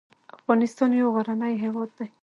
افغانستان يو غرنی هېواد دی.